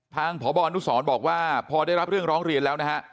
พบอนุสรบอกว่าพอได้รับเรื่องร้องเรียนแล้วนะฮะ